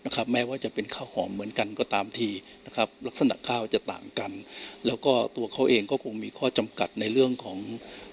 ข้าวจะต่างกันและก็ตัวเขาเองก็คงมีข้อจำกัดในเรื่องของ